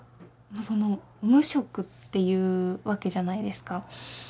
その無職っていうわけじゃないですか。